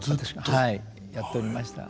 はいやっておりました。